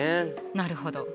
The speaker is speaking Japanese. なるほど。